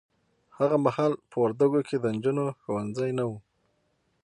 هغه محال په وردګو کې د نجونو ښونځي نه وه